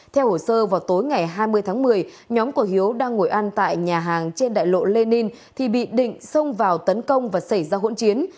theo hồ sơ vào tối ngày hai mươi tháng một mươi nhóm của hiếu đang ngồi ăn tại nhà hàng trên đại lộ lenin thì bị định xông vào tấn công và xảy ra hỗn chiến